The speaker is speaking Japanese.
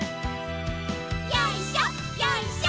よいしょよいしょ。